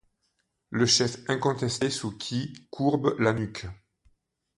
Le chef incontesté sous qui. courbent la nuque